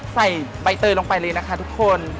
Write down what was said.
ใส่ใบเตยลงไปเลยนะคะทุกคน